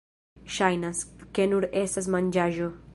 Ŝajnas, ke nur estas manĝaĵo